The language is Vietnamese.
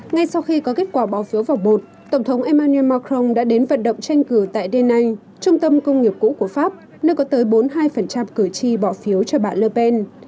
ngay sau khi có kết quả bỏ phiếu vòng một tổng thống emmanuel macron đã đến vận động tranh cử tại denanh trung tâm công nghiệp cũ của pháp nơi có tới bốn mươi hai cử tri bỏ phiếu cho bà ler pen